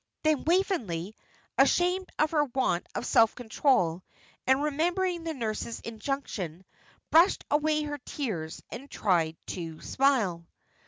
Then Waveney, ashamed of her want of self control, and remembering the nurse's injunction, brushed away her tears and tried to smile.